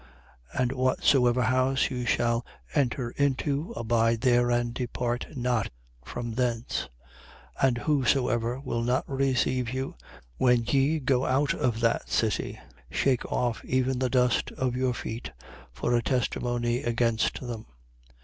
9:4. And whatsoever house you shall enter into, abide there and depart not from thence. 9:5. And whosoever will not receive you, when ye go out of that city, shake off even the dust of your feet, for a testimony against them.